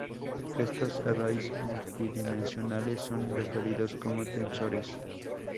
Estos arrays multidimensionales son referidos como "tensores".